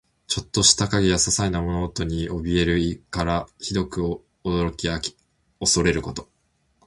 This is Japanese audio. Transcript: ちょっとした影やささいな物音にもおびえる意から、ひどく驚き怖れること。